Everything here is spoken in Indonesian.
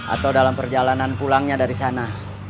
atau dalam perjalanan pulangnya dari sana